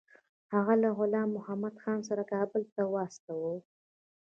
هغه له غلام محمدخان سره کابل ته واستاوه.